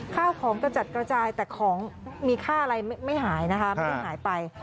ข้าวของกระจัดกระจายแต่ของมีค่าอะไรไม่หายนะคะไม่ได้หายไป